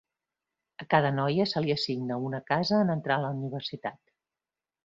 A cada noia se li assigna una casa en entrar a la universitat.